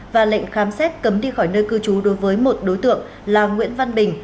và lệnh khám xét cấm đi khỏi nơi cư trú đối với một đối tượng là nguyễn văn bình